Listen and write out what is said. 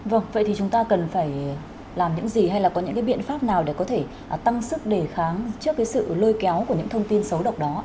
vâng vậy thì chúng ta cần phải làm những gì hay là có những cái biện pháp nào để có thể tăng sức đề kháng trước cái sự lôi kéo của những thông tin xấu độc đó